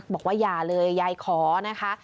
บอกว่าอย่าเลยยายขอนะคะ